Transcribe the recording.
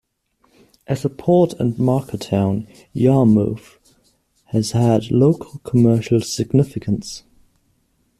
As a port and market town Yarmouth has had local commercial significance.